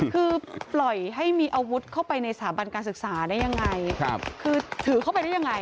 คือปล่อยให้มีอาวุธเข้าไปในสถาบันการศึกษาได้ยังไงคือถือเข้าไปได้ยังไง